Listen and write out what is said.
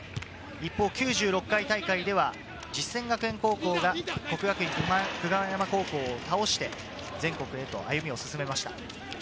一方、９６回大会では実践学園高校が國學院久我山高校を倒して、全国へと歩みを進めました。